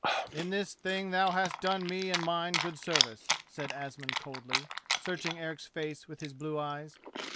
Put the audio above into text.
"In this thing thou hast done me and mine good service," said Asmund coldly, searching Eric's face with his blue eyes.